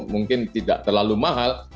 mungkin tidak terlalu mahal